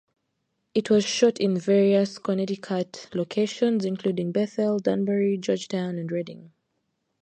It was shot in various Connecticut locations, including Bethel, Danbury, Georgetown and Redding.